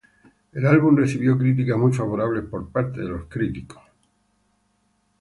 El álbum recibió críticas muy favorables por parte de los críticos.